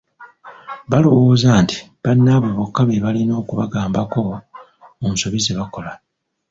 Balowooza nti bannaabwe bokka be balina okubagambako mu nsobi ze bakola.